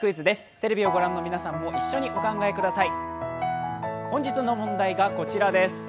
テレビを御覧の皆さんも一緒にお考えください。